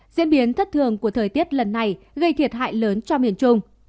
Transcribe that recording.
diễn biến thất thường của thời tiết lần này gây thiệt hại lớn cho miền trung